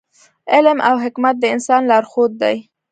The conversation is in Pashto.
علم او حکمت د انسان لارښود دی.